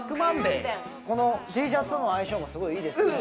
Ｔシャツとの相性もすごいいいですね